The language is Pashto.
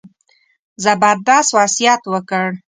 زبردست وصیت وکړ.